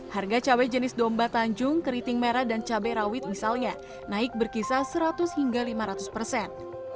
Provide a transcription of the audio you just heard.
harga cabai jenis domba tanjung keriting merah dan cabai rawit misalnya naik berkisar seratus hingga lima ratus persen